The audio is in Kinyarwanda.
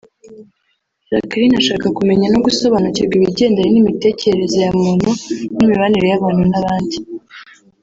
Jacqueline ashaka kumenya no gusobanukirwa ibigendanye n’imitekerereze ya muntu n’imibanire y’abantu n’abandi